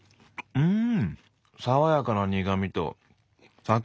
うん！